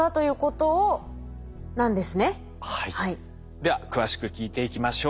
では詳しく聞いていきましょう。